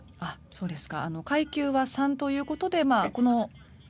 そうですね。